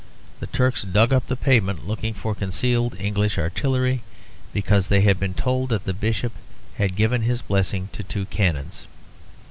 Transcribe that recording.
The Turks dug up the pavement looking for concealed English artillery; because they had been told that the bishop had given his blessing to two canons.